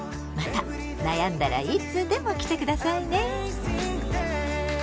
また悩んだらいつでも来て下さいね。